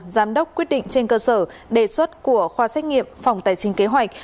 giám đốc quyết định trên cơ sở đề xuất của khoa xét nghiệm phòng tài chính kế hoạch